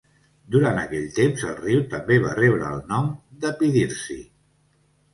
Durant aquell temps, el riu també va rebre el nom de Pidhirtsi.